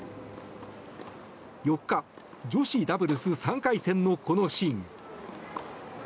４日、女子ダブルス３回戦のこのシーン。